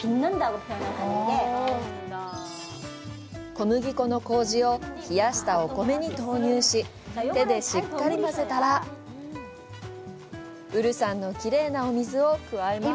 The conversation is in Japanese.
小麦粉の麹を冷やしたお米に投入し手でしっかり混ぜたらウルサンのきれいなお水を加えます。